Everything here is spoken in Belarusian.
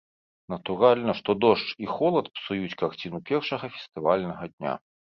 Натуральна, што дождж і холад псуюць карціну першага фестывальнага дня.